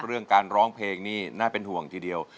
เรื่องการร้องเพลงนี่น่าเป็นห่วงทีเดียว